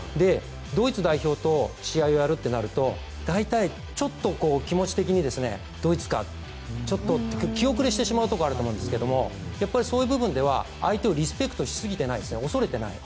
ドイツ代表と試合をやるとなると大体、ちょっと気持ち的にドイツかちょっとって気後れしてしまう部分があると思うんですがやっぱりそういう部分では相手をリスペクトしすぎていないですね恐れていない。